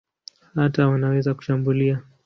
Hata wanaweza kushambulia.